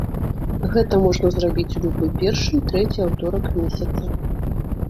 Гэта можна зрабіць у любы першы і трэці аўторак месяца.